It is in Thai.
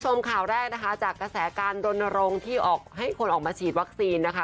คุณผู้ชมข่าวแรกนะคะจากกระแสการรณรงค์ที่ออกให้คนออกมาฉีดวัคซีนนะคะ